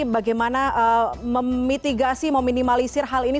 bagaimana memitigasi meminimalisir hal ini